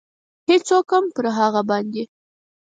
هېڅوک هم پر هغه باندې.